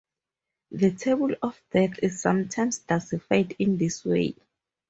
The Table of Death is sometimes classified in this way.